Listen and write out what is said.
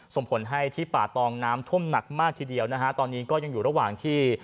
ส่งผลให้ที่ป่าตองน้ำท่วมหนักมากทีเดียวนะฮะตอนนี้ก็ยังอยู่ระหว่างที่